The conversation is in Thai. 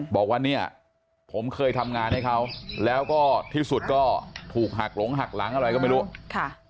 บอกว่าเนี่ยผมเคยทำงานให้เขาแล้วก็ที่สุดก็ถูกหักหลงหักหลังอะไรก็ไม่รู้ค่ะ